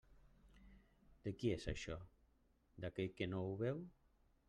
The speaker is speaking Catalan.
De qui és això? D'aquell que no ho veu.